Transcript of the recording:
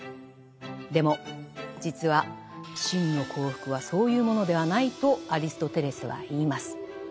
でも実は「真の幸福」はそういうものではないとアリストテレスは言います。